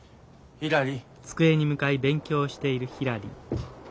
ひらり！